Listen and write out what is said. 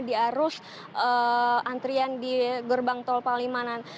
di arus antrian di gerbang tol palimanan